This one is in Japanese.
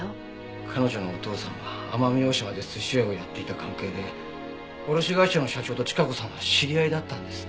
彼女のお父さんが奄美大島で寿司屋をやっていた関係で卸会社の社長と千加子さんは知り合いだったんです。